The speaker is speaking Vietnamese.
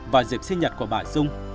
vào dịp sinh nhật của bà dung